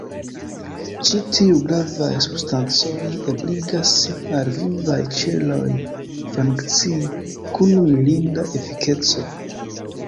Ĉi tiuj gravaj substancoj ebligas al vivaj ĉeloj funkcii kun mirinda efikeco.